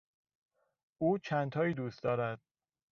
او چندتایی دوست دارد.